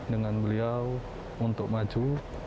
dengan beliau untuk maju